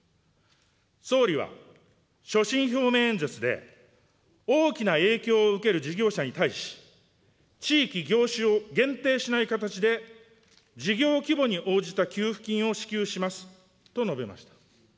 総理は所信表明演説で、大きな影響を受ける事業者に対し、地域、業種を限定しない形で事業規模に応じた給付金を支給しますと述べました。